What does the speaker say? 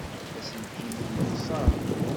Aselkim-iw yexseṛ.